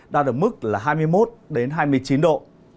đã được mức là hai mươi một đến hai mươi chín độ